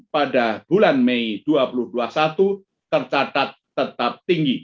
sebesar dua puluh dari kursus perbankan